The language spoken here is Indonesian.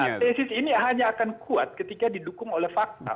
nah tesis ini hanya akan kuat ketika didukung oleh fakta